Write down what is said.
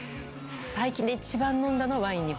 最近で一番飲んだのはワイン２本？